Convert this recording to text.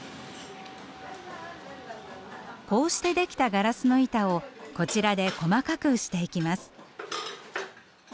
こうして出来たガラスの板をこちらで細かくしていきます。